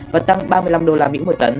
và tăng ba mươi năm usd một tấn